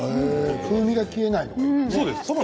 風味が消えないの？